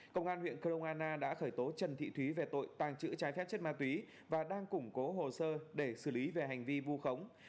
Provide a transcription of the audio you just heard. công an huyện crong anna đã khởi tố trần thị thúy về tội tàng trữ trái phép chất ma túy và đang củng cố hồ sơ để xử lý về hành vi vu khống